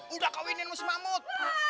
udah kawinin lo sama mamut